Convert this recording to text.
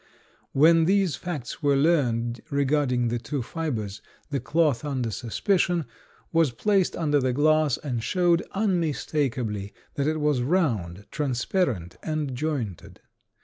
When these facts were learned regarding the two fibers the cloth under suspicion was placed under the glass and showed unmistakably that it was round, transparent, and jointed.